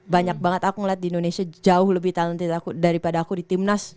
banyak banget aku ngeliat di indonesia jauh lebih talentine daripada aku di timnas